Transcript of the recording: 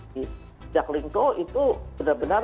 di jaklingko itu benar benar